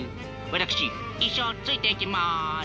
私一生ついていきます。